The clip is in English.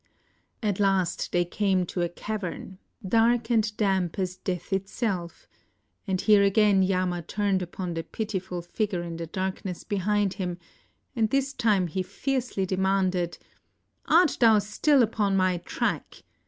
At last they came to a cavern, dark and damp as death itself, and here again Yama turned upon the piti ful figure in the darkness behind him, and this time he fiercely demanded, "Art thou still upon my track?